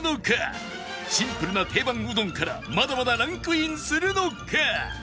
シンプルな定番うどんからまだまだランクインするのか？